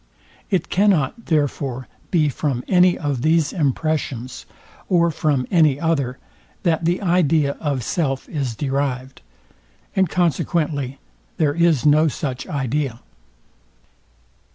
It cannot, therefore, be from any of these impressions, or from any other, that the idea of self is derived; and consequently there is no such idea.